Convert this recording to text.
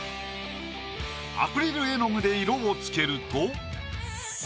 アクリル絵の具で色をつけると。